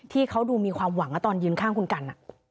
ที่เขาดูมีความหวังตอนยืนข้างคุณกัน